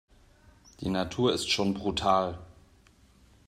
Die Natur ist schon brutal.